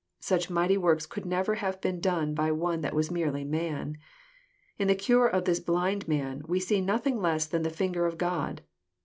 Such mighty works could never have been done by one that was merely man. In the cure of this blind man we see nothing less than the finger of God.